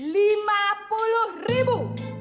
lima puluh ribu